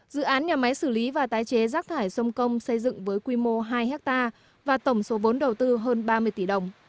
dự án nhà máy xử lý và tái chế rác thải sông công xây dựng với quy mô hai hectare và tổng số vốn đầu tư hơn ba mươi tỷ đồng